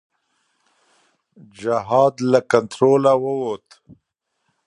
جهاد له کنټروله ووت.